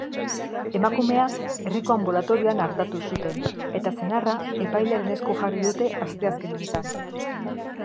Emakumea herriko anbulatorioan artatu zuten eta senarra epailearen esku jarri dute asteazken honetan.